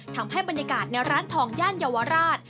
ทำให้บรรยากาศในร้านทองย่านเยาวราช